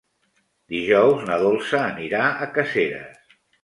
Dijous na Dolça anirà a Caseres.